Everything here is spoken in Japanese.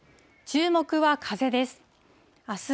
注目は風です。